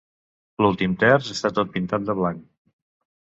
L'últim terç està tot pintat de blanc.